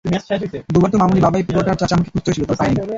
দুবার তো মামণি, বাবাই, পিপোর্টার চাচা আমাকে খুঁজতেও এসেছিল, তবে পায়নি।